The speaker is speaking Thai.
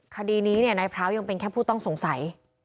คดีนี้นายพร้าวยังเป็นแค่ผู้ต้องสงสัย